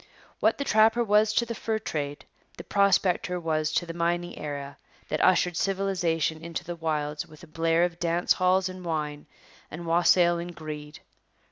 What the trapper was to the fur trade, the prospector was to the mining era that ushered civilization into the wilds with a blare of dance halls and wine and wassail and greed.